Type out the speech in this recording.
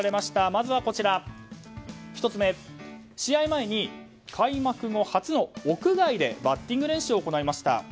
まずは１つ目、試合前に開幕後初の屋外でバッティング練習を行いました。